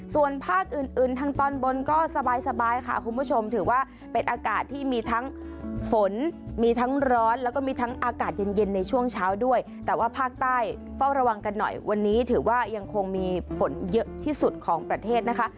ส่วนภาคอื่นอื่นทางตอนบนก็สบายค่ะคุณผู้ชมถือว่าเป็นอากาศที่มีทั้งฝนมีทั้งร้อนแล้วก็มีทั้งอากาศเย็นเย็นในช่วงเช้าด้วยแต่ว่าภาคใต้เฝ้าระวังกันหน่อยวันนี้ถือว่ายังคงมีฝนเยอะที่สุดของประเทศนะคะ